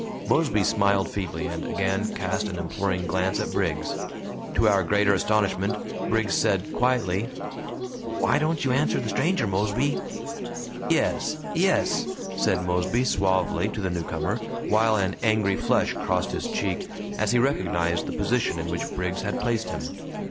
Mosby smiled feebly, and again cast an imploring glance at Briggs. To our greater astonishment, Briggs said, quietly: "Why don't you answer the stranger, Mosby?" "Yes, yes," said Mosby, suavely, to the newcomer, while an angry flush crossed his check as he recognized the position in which Briggs had placed him.